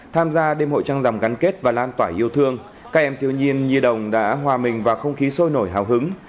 tham gia đêm hội trăng rằm gắn kết và lan tỏa yêu thương các em thiếu nhi nhi đồng đã hòa mình vào không khí sôi nổi hào hứng